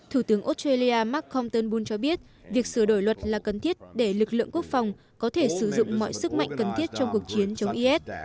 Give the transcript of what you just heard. thủ tướng australia mark kolton bull cho biết việc sửa đổi luật là cần thiết để lực lượng quốc phòng có thể sử dụng mọi sức mạnh cần thiết trong cuộc chiến chống is